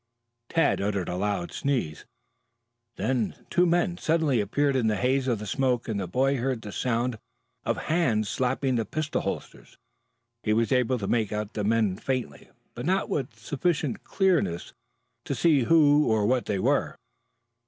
Tad uttered a loud sneeze. Two men suddenly appeared in the haze of smoke, and the boy heard the sound of hands slapping pistol holsters. He was able to make the men out faintly, but not with sufficient clearness to see who or what they were.